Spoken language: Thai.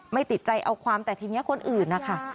ติดใจเอาความแต่ทีนี้คนอื่นนะคะ